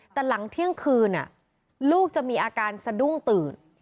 แต่หลังเที่ยงคืนลูกจะมีอาการสะดุ้งตื่น